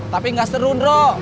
tapi gak serun rok